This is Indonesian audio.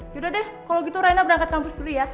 yaudah deh kalau gitu raina berangkat kampus dulu ya